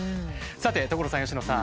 さて所さん佳乃さん。